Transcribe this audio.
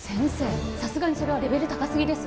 さすがにそれはレベル高すぎです